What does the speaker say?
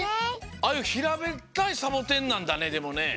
ああいうひらべったいサボテンなんだねでもね。